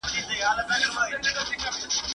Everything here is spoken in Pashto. ¬ د خرې دومره شيدې دي، چي د خپل کوټي ئې بس سي.